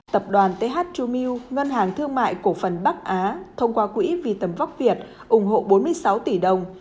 tập đoàn th truemilk ngân hàng thương mại cổ phần bắc á thông qua quỹ vitam vóc việt ủng hộ bốn mươi sáu tỷ đồng